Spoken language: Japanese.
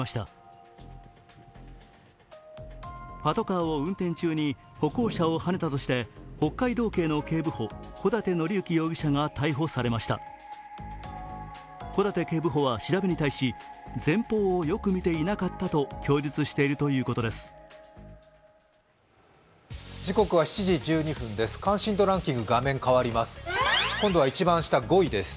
小舘警部補は調べに対し前方をよく見ていなかったと供述しているということです。